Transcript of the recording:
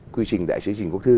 quy trình đại sứ trình quốc thư